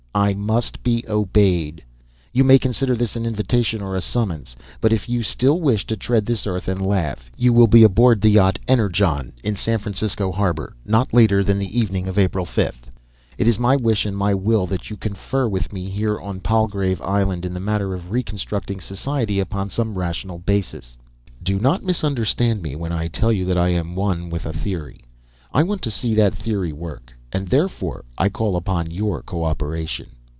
I must be obeyed. You may consider this an invitation or a summons; but if you still wish to tread this earth and laugh, you will be aboard the yacht Energon, in San Francisco harbour, not later than the evening of April 5. It is my wish and my will that you confer with me here on Palgrave Island in the matter of reconstructing society upon some rational basis. "Do not misunderstand me, when I tell you that I am one with a theory. I want to see that theory work, and therefore I call upon your cooperation.